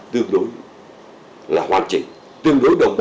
tương đối là hoàn chỉnh tương đối đồng bộ